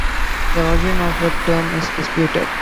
The origin of the term is disputed.